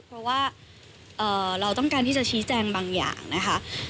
เพราะว่าเราต้องการที่จะชี้แจงบางอย่างนะคะ